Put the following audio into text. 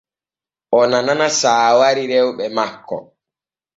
O nana saawari rewɓe makko.